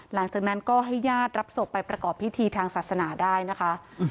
หลังจากนั้นก็ให้ญาติรับศพไปประกอบพิธีทางศาสนาได้นะคะ